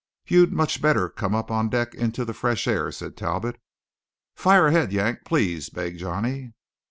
"You'd much better come up on deck into the fresh air," said Talbot. "Fire ahead, Yank! Please!" begged Johnny.